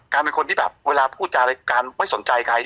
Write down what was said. เป็นคนที่แบบเวลาพูดจารายการไม่สนใจใคร